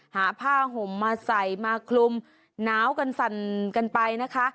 หาผ้าห่มมาใส่มาคลุมหนาวกันสั่นกันไปนะคะ